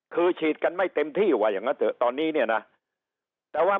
คือฉีดกันไม่เต็มที่ว่าอย่างนั้นเถอะตอนนี้เนี่ยนะแต่ว่า